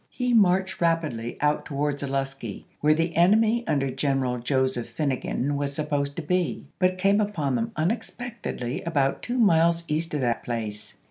He marched rapidly out to wards Olustee, where the enemy under General Joseph Finegan was supposed to be, but came upon them unexpectedly about two miles east of that place.